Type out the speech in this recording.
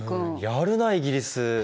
やるなイギリス！